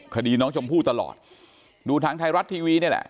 คดีน้องชมพู่ตลอดดูทางไทยรัฐทีวีนี่แหละ